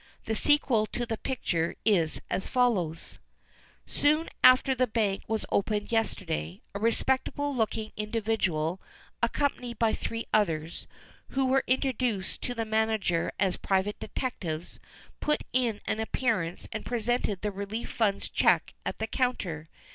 The sequel to the picture is as follows: "Soon after the bank was opened yesterday, a respectable looking individual, accompanied by three others, who were introduced to the manager as private detectives, put in an appearance and presented the Relief Fund's cheque at the counter.